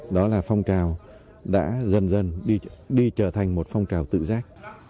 đó là phong trào đã dần dần đi trở thành một phong trào tự giác